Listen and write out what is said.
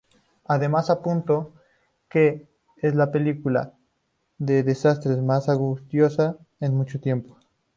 Además apuntó que: “Es la película de desastres más angustiosa en mucho tiempo...